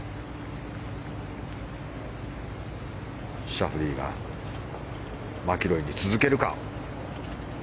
シャフリーがマキロイに続けるか。